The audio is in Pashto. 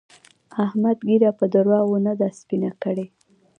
احمد ږيره په درواغو نه ده سپينه کړې.